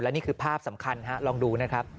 นี่คือภาพสำคัญลองดูนะครับ